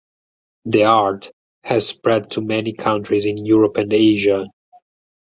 The art has spread to many countries in Europe and Asia.